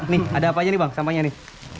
nih ada apa aja nih bang sampahnya nih